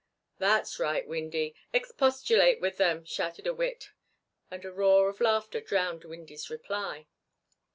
"That's right, Windy, expostulate with them," shouted a wit, and a roar of laughter drowned Windy's reply.